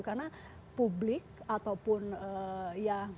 karena publik ataupun ya